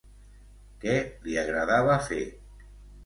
Què li agradava fer?